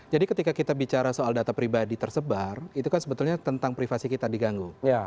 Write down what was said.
jadi ketika kita bicara soal data pribadi tersebar itu kan sebetulnya tentang privasi kita diganggu